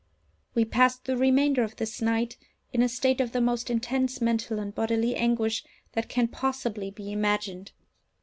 We passed the remainder of this night in a state of the most intense mental and bodily anguish that can possibly be imagined.